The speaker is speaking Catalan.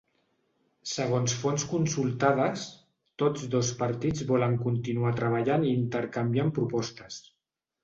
Segons fonts consultades, tots dos partits volen continuar treballant i intercanviant propostes.